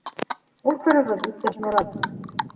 Ултырығыҙ, иптәш Моратов.